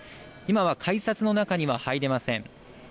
今は改札の中には入れません。